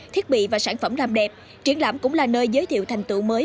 thiết bị và sản phẩm làm đẹp triển lãm cũng là nơi giới thiệu thành tựu mới